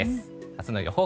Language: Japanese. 明日の予想